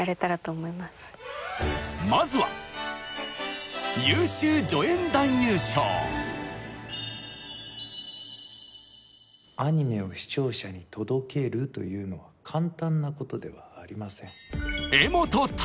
まずはアニメを視聴者に届けるというのは簡単なことではありません。